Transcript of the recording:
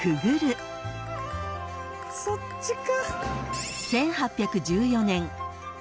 そっちか。